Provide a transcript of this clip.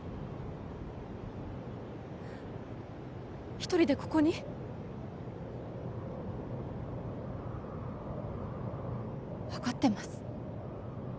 ひとりでここに？分かってます